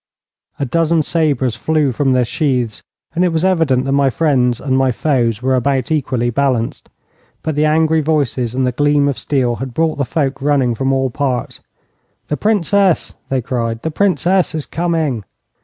A dozen sabres flew from their sheaths, and it was evident that my friends and my foes were about equally balanced. But the angry voices and the gleam of steel had brought the folk running from all parts. 'The Princess!' they cried. 'The Princess is coming!'